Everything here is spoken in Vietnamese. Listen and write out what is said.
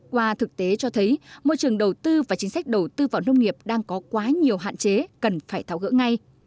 qua thực tế cho thấy môi trường đầu tư và chính sách đầu tư vào nông nghiệp đang có quá nhiều hạn chế cần phải tháo gỡ ngay